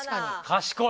賢い！